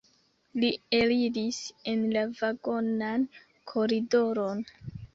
Li eliris en la vagonan koridoron.